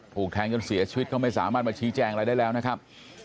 ถูกแทงจนเสียชีวิตก็ไม่สามารถมาชี้แจงอะไรได้แล้วนะครับ